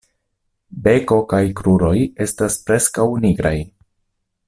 Beko kaj kruroj estas preskaŭ nigraj.